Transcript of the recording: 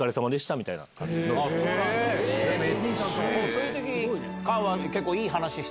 そういう時菅は。